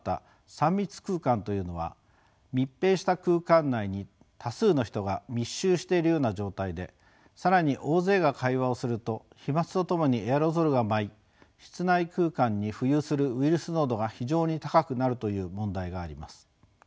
三密空間というのは密閉した空間内に多数の人が密集しているような状態で更に大勢が会話をすると飛まつとともにエアロゾルが舞い室内空間に浮遊するウイルス濃度が非常に高くなるという問題があります。